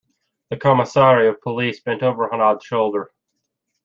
The Commissaire of Police bent over Hanaud's shoulder.